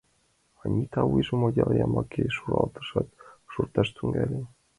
Анита вуйжым одеял йымаке шуралтышат, шорташ тӱҥале.